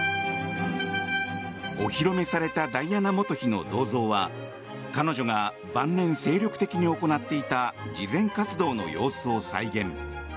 お披露目されたダイアナ元妃の銅像は彼女が晩年、精力的に行っていた慈善活動の様子を再現。